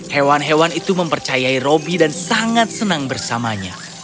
hewan hewan itu mempercayai roby dan sangat senang bersamanya